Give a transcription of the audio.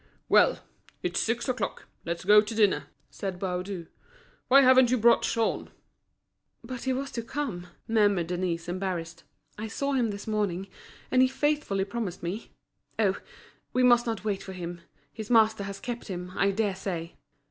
"Well! it's six o'clock, let's go to dinner," said Baudu. "Why haven't you brought Jean?" "But he was to come," murmured Denise, embarrassed. "I saw him this morning, and he faithfully promised me. Oh! we must not wait for him; his master has kept him, I dare say."